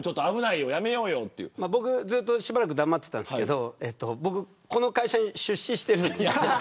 しばらく黙っていたんですけど僕、この会社に出資しているんです。